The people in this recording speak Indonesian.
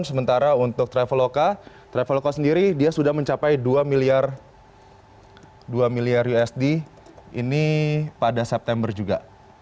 sementara untuk traveloka traveloka sendiri dia sudah mencapai dua miliar usd ini pada september juga